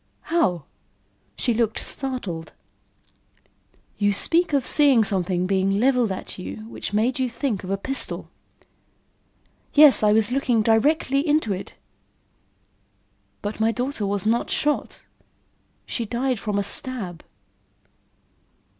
"How?" She looked startled. "You speak of seeing something being leveled at you which made you think of a pistol." "Yes, I was looking directly into it." "But my daughter was not shot. She died from a stab."